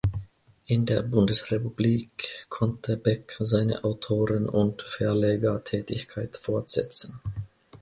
In der Bundesrepublik konnte Beck seine Autoren- und Verlegertätigkeit fortsetzen.